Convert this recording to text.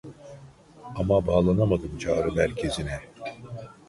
Ama bağlanamadım çağrı merkezine